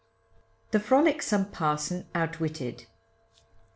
THE FROLICSOME PARSON OUTWITTED.